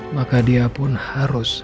maka dia pun harus